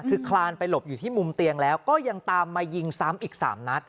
คือคลานไปหลบอยู่ที่มุมเตียงแล้วก็ยังตามมายิงซ้ำอีก๓นัด